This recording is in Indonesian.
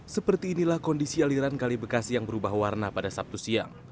seperti inilah kondisi aliran kali bekasi yang berubah warna pada sabtu siang